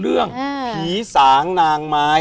เรื่องผีสางนางไม้